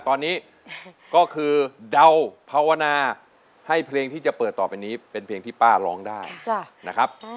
ตอนนี้ก็คือเดาภาวนาให้เพลงที่จะเปิดต่อไปนี้เป็นเพลงที่ป้าร้องได้นะครับ